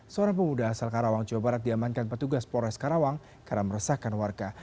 seorang pemuda asal karawang jawa barat diamankan petugas polres karawang karena meresahkan warga